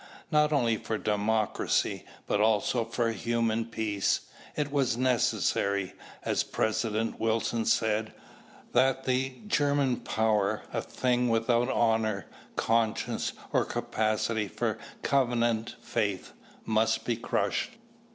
Not only for democracy, but also for human peace, it was necessary, as President Wilson said, that "the German power, a thing without honour, conscience, or capacity for covenanted faith, must be crushed."